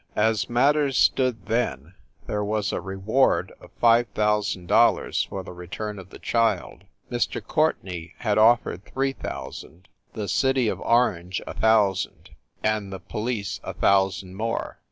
As matters stood then there was a reward of five thousand dollars for the return of the child. Mr. Courtenay had offered three thousand, the City of Orange a thousand, and the police a thousand more.